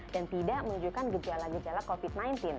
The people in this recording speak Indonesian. dan tidak menunjukkan gejala gejala covid sembilan belas